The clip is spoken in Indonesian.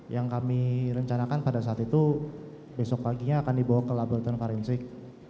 yang kami rencanakan pada saat itu besok paginya akan dibawa ke laboratorium forensik